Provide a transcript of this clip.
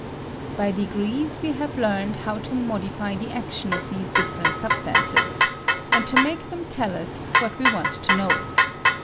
By degrees we have learned how to modify the action of these different sabstances, and to make them teU us what we want to know.